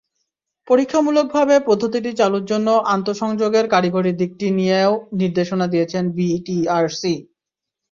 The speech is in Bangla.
পরীক্ষামূলকভাবে পদ্ধতিটি চালুর জন্য আন্তসংযোগের কারিগরি দিকটি নিয়েও নির্দেশনা দিয়েছে বিটিআরসি।